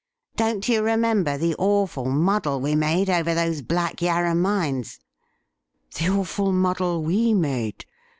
Don't you remember the awful muddle we made over those Black YaiTa mines '' The awful muddle we made